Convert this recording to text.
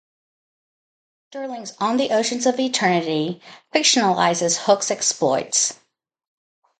Stirling's "On the Oceans of Eternity" fictionalizes Hook's exploits.